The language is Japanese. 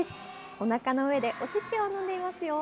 おなかの上でお乳を飲んでいますよ。